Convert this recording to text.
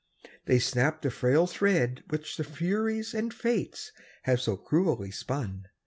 They snap the frail thread which the Furies And Fates have so cruelly spun.